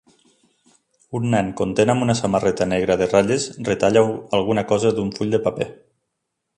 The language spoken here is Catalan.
Un nen content amb una samarreta negra de ratlles retalla alguna cosa d'un full de paper.